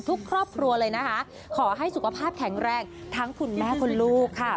ทุกครอบครัวเลยนะคะขอให้สุขภาพแข็งแรงทั้งคุณแม่คุณลูกค่ะ